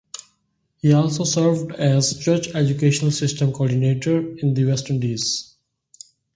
He also served as Church Educational System coordinator in the West Indies.